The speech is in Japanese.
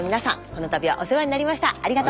この度はお世話になりました。